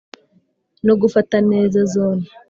No gufata neza zone